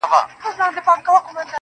زړه مي دي خاوري سي ډبره دى زړگى نـه دی.